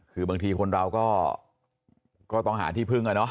คือบางทีเราคนต้องหาที่พึ่ง